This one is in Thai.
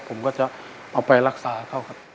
ผมก็จะเอาไปรักษาเขาครับ